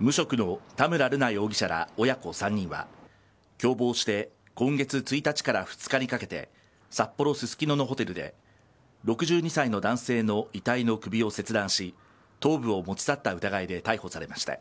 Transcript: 無職の田村瑠奈容疑者ら親子３人は、共謀して今月１日から２日にかけて、札幌・ススキノのホテルで６２歳の男性の遺体の首を切断し、頭部を持ち去った疑いで逮捕されました。